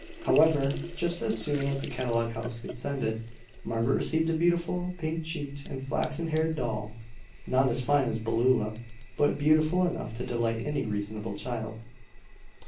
However, just as soon as the catalog house could send it, Margaret received a beautiful, pink cheeked, and flaxen haired Doll, not as fine as Beulah, but beautiful enough to delight any reasonable child.